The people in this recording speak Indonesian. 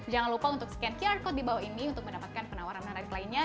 jangan lupa untuk scan qr code di bawah ini untuk mendapatkan penawaran menarik lainnya